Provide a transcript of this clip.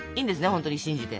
本当に信じて。